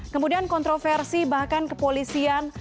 kemudian kontroversi bahkan kepolisian